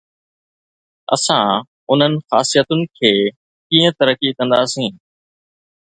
اسان انهن خاصيتن کي ڪيئن ترقي ڪنداسين؟